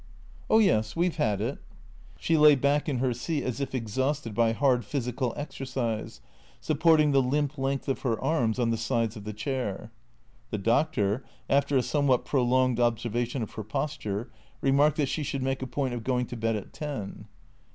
" Oh yes, we 've had it." She lay back in her seat as if exhausted by hard physical exer cise, supporting the limp length of her arms on the sides of the chair. The doctor, after a somewhat prolonged observation of her posture, remarked that she should make a point of going to bed at ten.